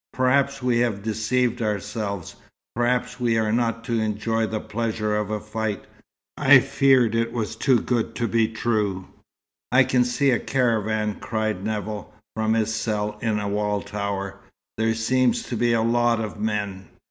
Perhaps we have deceived ourselves. Perhaps we are not to enjoy the pleasure of a fight. I feared it was too good to be true." "I can see a caravan," cried Nevill, from his cell in a wall tower. "There seem to be a lot of men."